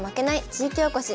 地域おこし」。